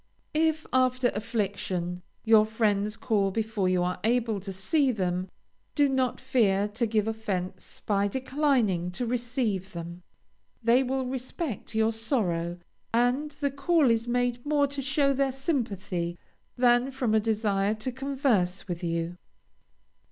If, after affliction, your friends call before you are able to see them, do not fear to give offence by declining to receive them. They will respect your sorrow, and the call is made more to show their sympathy than from a desire to converse with you.